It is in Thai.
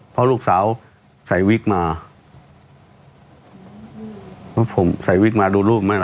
เพราะลูกสาวใส่วิกมาแล้วผมใส่วิกมาดูลูกไหมล่ะ